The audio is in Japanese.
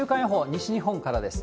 西日本からです。